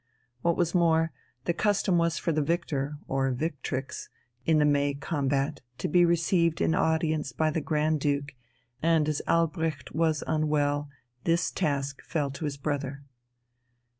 What was more, the custom was for the victor (or victrix) in the "May combat" to be received in audience by the Grand Duke; and as Albrecht was unwell, this task fell to his brother.